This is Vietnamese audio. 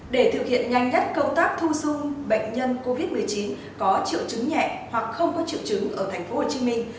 để thực hiện nhanh nhất công tác thu xung bệnh nhân covid một mươi chín có triệu chứng nhẹ hoặc không có triệu chứng ở tp hcm